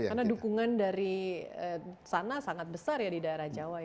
karena dukungan dari sana sangat besar ya di daerah jawa